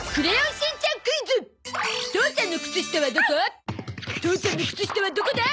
父ちゃんのくつ下はどこだ？